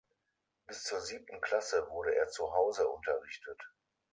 Bis zur siebten Klasse wurde er zuhause unterrichtet.